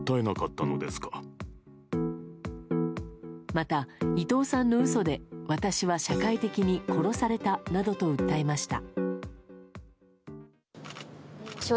また、伊藤さんの嘘で私は社会的に殺されたなどと訴えました。